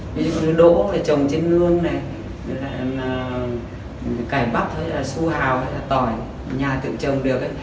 ví dụ như đỗ trồng trên lương này cải bắp hay là su hào hay là tỏi nhà tự trồng được